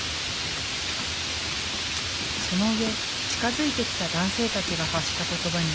そのうえ近づいてきた男性たちが発したことばに